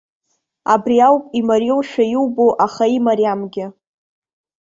Абри ауп, имариоушәа иубо, аха имариамгьы.